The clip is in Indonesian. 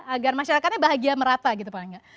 agar masyarakatnya bahagia merata gitu paling nggak